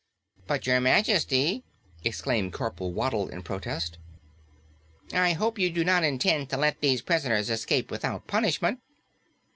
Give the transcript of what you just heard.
"But Your Majesty!" exclaimed Corporal Waddle in protest, "I hope you do not intend to let these prisoners escape without punishment."